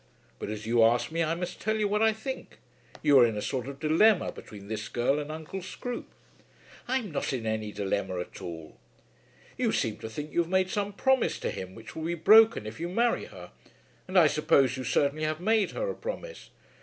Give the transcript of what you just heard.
But as you ask me I must tell you what I think. You are in a sort of dilemma between this girl and Uncle Scroope." "I'm not in any dilemma at all." "You seem to think you have made some promise to him which will be broken if you marry her; and I suppose you certainly have made her a promise."